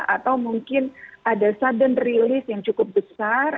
atau mungkin ada sudden release yang cukup besar